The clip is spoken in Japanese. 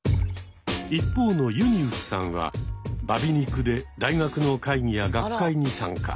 一方のゆみうすさんはバ美肉で大学の会議や学会に参加。